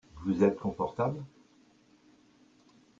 Vous êtes confortable ?